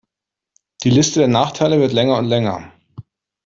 Die Liste der Nachteile wird länger und länger.